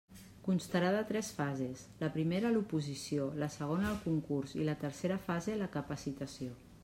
Constarà de tres fases: la primera l'oposició; la segona el concurs i la tercera fase la capacitació.